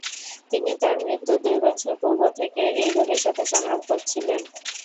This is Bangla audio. তিনি তার মৃত্যুর দুই বছর পূর্ব থেকে এই রোগের সাথে সংগ্রাম করছিলেন।